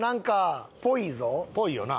ぽいよな。